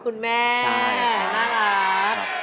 คุณแม่น่ารัก